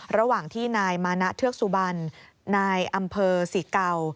ระหว่างที่นายมานะเทือกสุบันนายอำเภอศรีเก่า